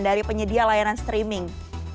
dari penyedia layanan streaming